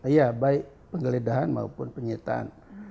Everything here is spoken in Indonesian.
iya baik penggeledahan maupun penyitaan